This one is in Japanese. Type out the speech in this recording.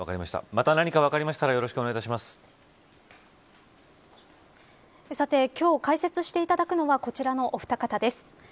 また何か分かりましたら今日解説していただくのはこちらのお二方です。